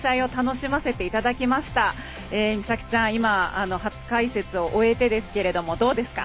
今、初解説を終えてですがどうですか？